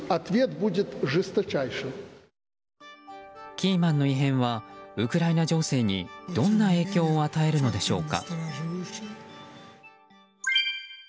キーマンの異変はウクライナ情勢にどんな影響を与えるのでしょうか。